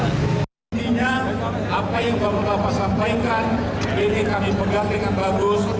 intinya apa yang bapak bapak sampaikan ini kami pegang dengan bagus